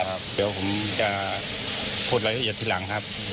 เดี๋ยวผมจะพูดรายละเอียดทีหลังครับ